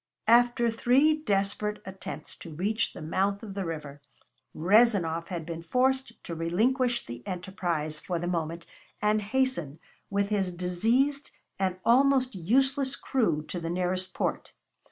After three desperate attempts to reach the mouth of the river, Rezanov had been forced to relinquish the enterprise for the moment and hasten with his diseased and almost useless crew to the nearest port.